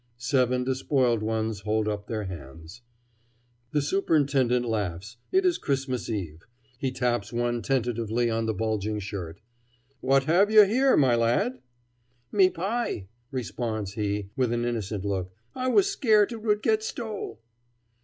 Seven despoiled ones hold up their hands. The superintendent laughs it is Christmas eve. He taps one tentatively on the bulging shirt. "What have you here, my lad?" "Me pie," responds he, with an innocent look; "I wuz scart it would get stole."